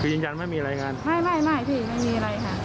คือจริงจันทร์ไม่มีอะไรอย่างนั้นไม่พี่ไม่มีอะไรค่ะ